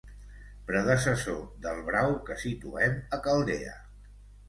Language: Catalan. Predecessor del brau que situem a Caldea.